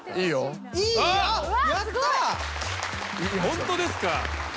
ホントですか！？